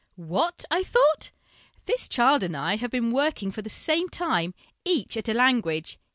"' What !' I thought ;' this child and I have been working for the same time, each at a h nguage.